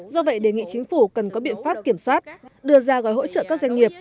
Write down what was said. do vậy đề nghị chính phủ cần có biện pháp kiểm soát đưa ra gói hỗ trợ các doanh nghiệp